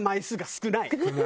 少ない。